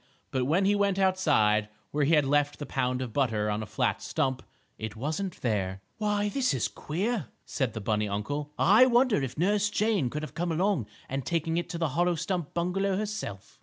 But when he went outside, where he had left the pound of butter on a flat stump, it wasn't there. "Why, this is queer," said the bunny uncle. "I wonder if Nurse Jane could have come along and taken it to the hollow stump bungalow herself?"